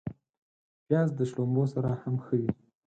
پیاز د شړومبو سره هم ښه وي